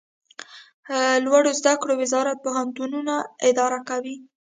لوړو زده کړو وزارت پوهنتونونه اداره کوي